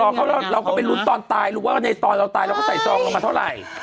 ในตอนเราตายแล้วก็ใส่ซองมาเท่าไหร่